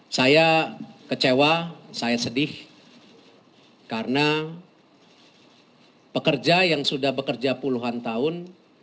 saya kecewa saya sedih karena pekerja yang sudah bekerja puluhan tahun